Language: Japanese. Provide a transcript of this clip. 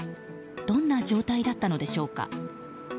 どんな状態だったのでしょうか。